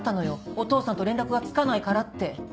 お父さんと連絡がつかないからって。